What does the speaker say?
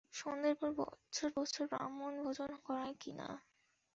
সন্ধের পর বছর বছর ব্রাহ্মণভোজন করায় কি না।